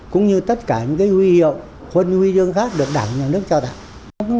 cũng như tất cả những huy hiệu huy dương khác được đảm nhà nước trao đảm